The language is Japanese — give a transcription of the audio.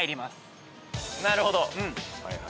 なるほど。